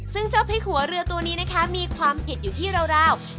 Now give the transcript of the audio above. ซึ่งเจ้าพริกหัวเรือตัวนี้นะคะมีความอิดอยู่ที่ราว